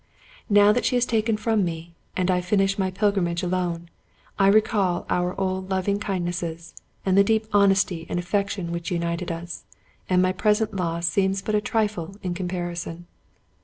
Now that she is taken from me, and I finish my pilgrimage alone, I recall our old loving kindnesses and the deep honesty and affection which united us, and my present loss seems but a trifle in comparison.